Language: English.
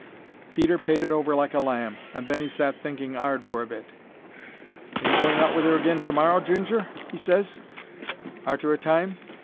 Peter paid it over like a lamb, and then 'e sat thinking 'ard for a bit. "Are you going out with 'er agin to morrow, Ginger?" he ses, arter a time.